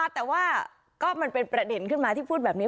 แต่ว่าก็มันเป็นประเด็นขึ้นมาที่พูดแบบนี้